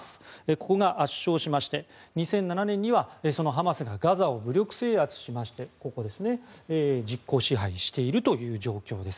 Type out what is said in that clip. ここが圧勝しまして２００７年にはそのハマスがガザを武力制圧しまして実効支配しているという状況です。